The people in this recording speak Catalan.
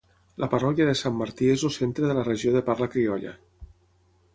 La parròquia de St. Martí és el centre de la regió de parla criolla.